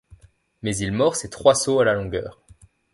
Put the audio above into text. Mais il mord ses trois sauts à la longueur.